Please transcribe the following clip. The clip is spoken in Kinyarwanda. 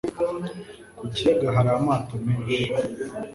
Ku kiyaga hari amato menshi.